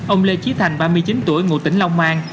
ông lê trí thành ba mươi chín tuổi ngụ tỉnh long an